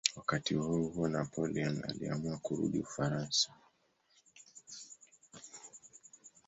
Wakati huohuo Napoleon aliamua kurudi Ufaransa.